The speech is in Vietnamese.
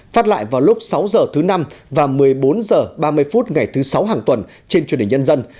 phát lại vào lúc sáu h thứ năm và một mươi bốn h ba mươi phút ngày thứ sáu hàng tuần trên truyền hình nhân dân